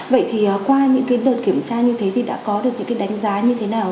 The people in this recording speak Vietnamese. vậy thì qua những đợt kiểm tra như thế thì đã có được những cái đánh giá như thế nào